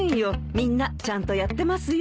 みんなちゃんとやってますよ。